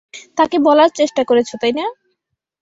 তাকে বলার চেষ্টা করেছ, তাই না?